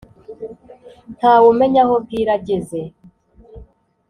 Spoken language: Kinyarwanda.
ntawumenya aho bwira ageze